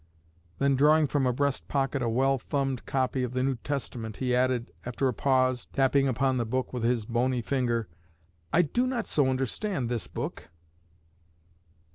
Then, drawing from a breast pocket a well thumbed copy of the New Testament, he added, after a pause, tapping upon the book with his bony finger: "I do not so understand this book."